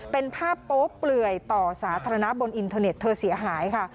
เป็นภาพโป๊เปลื่อยต่อสาธารณะบนอินเทอร์เน็ตเธอเสียหายค่ะ